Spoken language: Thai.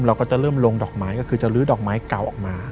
เราก็จะเริ่มลงดอกไม้ก็คือจะลื้อดอกไม้เก่าออกมา